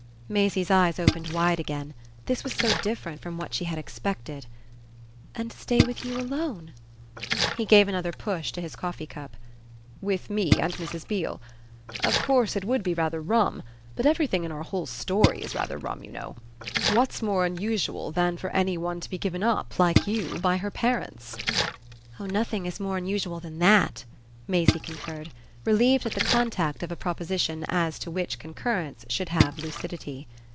Maisie's eyes opened wide again; this was so different from what she had expected. "And stay with you alone?" He gave another push to his coffee cup. "With me and Mrs. Beale. Of course it would be rather rum; but everything in our whole story is rather rum, you know. What's more unusual than for any one to be given up, like you, by her parents?" "Oh nothing is more unusual than THAT!" Maisie concurred, relieved at the contact of a proposition as to which concurrence could have lucidity.